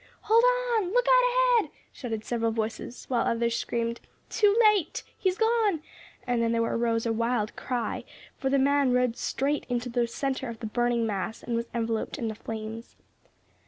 "Hold on!" "Lookout ahead!" shouted several voices, while others screamed "Too late!" "He's gone!" and then there arose a wild cry, for the man rowed straight into the centre of the burning mass and was enveloped in the flames.